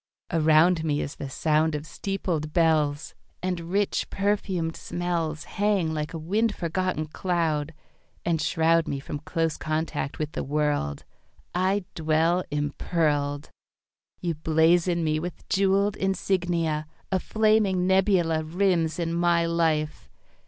Around me is the sound of steepled bells, And rich perfumed smells Hang like a wind forgotten cloud, And shroud Me from close contact with the world. I dwell impearled. You blazon me with jewelled insignia. A flaming nebula Rims in my life.